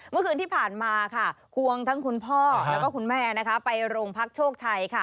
เมื่อคืนที่ผ่านมาค่ะควงทั้งคุณพ่อแล้วก็คุณแม่นะคะไปโรงพักโชคชัยค่ะ